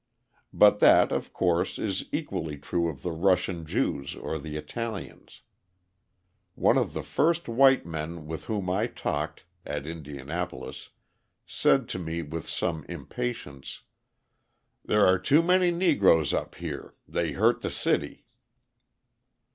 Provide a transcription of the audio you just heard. But that, of course, is equally true of the Russian Jews or the Italians. One of the first white men with whom I talked (at Indianapolis) said to me with some impatience: "There are too many Negroes up here; they hurt the city."